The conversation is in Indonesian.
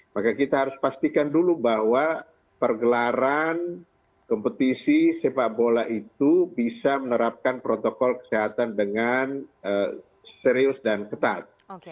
maka kita harus pastikan dulu bahwa pergelaran kompetisi sepak bola itu bisa menerapkan protokol kesehatan dengan serius dan ketat